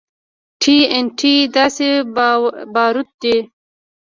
ټي ان ټي داسې باروت دي.